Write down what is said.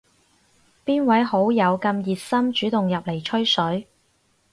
邊位老友咁熱心主動入嚟吹水